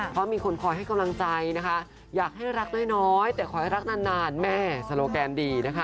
เพราะมีคนคอยให้กำลังใจนะคะอยากให้รักน้อยแต่ขอให้รักนานแม่สโลแกนดีนะคะ